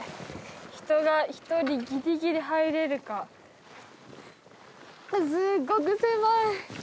人が１人ギリギリ入れるかすっごく狭い！